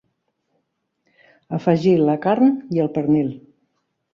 Afegir la carn i el pernil.